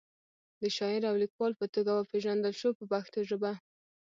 د شاعر او لیکوال په توګه وپیژندل شو په پښتو ژبه.